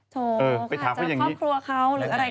โถข้าอาจจะฝับครัวเขาหรืออะไรเข้าไป